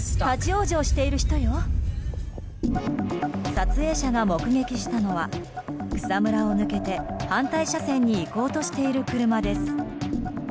撮影者が目撃したのは草むらを抜けて反対車線に行こうとしている車です。